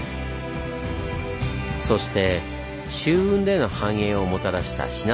そして舟運での繁栄をもたらした信濃川。